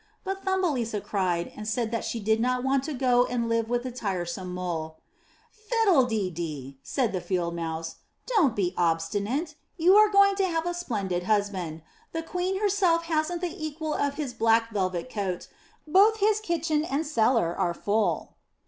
But Thumbelisa cried and said that she did not want to go and live with the tiresome Mole. 'Tiddle dee dee,'' said the Field Mouse; ''don't be obstinate. You are going to have a splendid husband; the queen herself hasn't the equal of his black velvet coat; both his kitchen and his cellar are full."